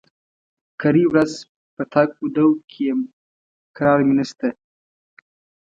کرۍ ورځ په تګ و دو کې يم؛ کرار مې نشته.